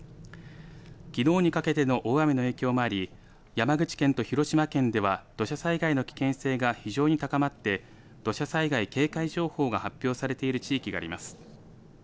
きのうにかけての大雨の影響もあり山口県と広島県では土砂災害の危険性が非常に高まって土砂災害警戒情報が発表されている地域があります。